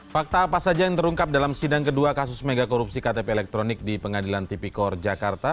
fakta apa saja yang terungkap dalam sidang kedua kasus megakorupsi ktp elektronik di pengadilan tipikor jakarta